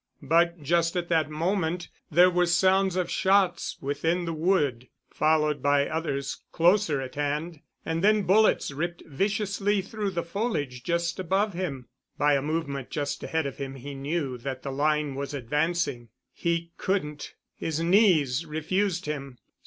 But just at that moment there were sounds of shots within the wood, followed by others closer at hand, and then bullets ripped viciously through the foliage just above him. By a movement just ahead of him he knew that the line was advancing. He couldn't ... his knees refused him